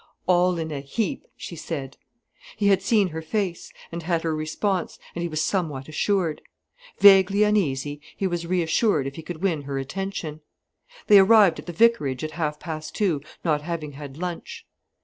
"All in a heap!" she said. He had seen her face, and had her response, and he was somewhat assured. Vaguely uneasy, he was reassured if he could win her attention. They arrived at the vicarage at half past two, not having had lunch.